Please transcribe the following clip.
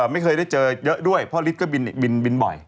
ไม่เคยได้เจอเยอะด้วยเพราะฤทธิ์บินบ่อย